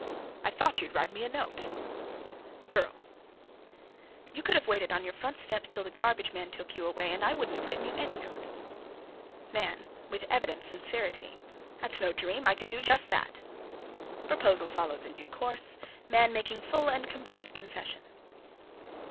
_) "I thought you'd write me a note." [Sidenote: His Short Suit] GIRL. (Leading his short suit.) "You could have waited on your front steps till the garbage man took you away, and I wouldn't have written you any note." MAN. (With evident sincerity.) "That's no dream! I could do just that!" (_Proposal follows in due course, MAN making full and complete confession.